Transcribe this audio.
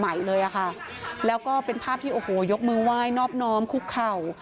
เก็บไว้ที่โรงพักแล้วก็เป็นภาพที่โอ้โหยกมือวายนอบน้ำคุกเข่า